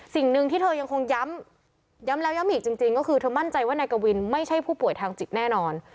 สิ่งหนึ่งที่เธอยังคงย้ำย้ำแล้วย้ำอีกจริงก็คือเธอมั่นใจว่านายกวินไม่ใช่ผู้ป่วยทางจิตแน่นอน